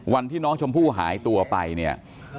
วันที่น้องชมพู่หายตัวไปเนี่ย